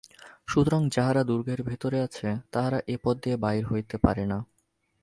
সুতরাং যাহারা দুর্গের ভিতরে আছে তাহারা এ পথ দিয়া বাহির হইতে পারে না।